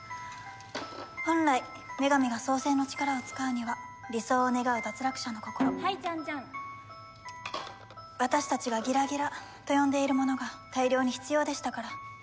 本来女神が創世の力を使うには理想を願う脱落者の心私たちが「ギラギラ」と呼んでいるものが大量に必要でしたから。